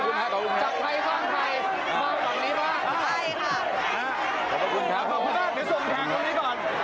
และประชาชมชนะแน่นอนค่ะ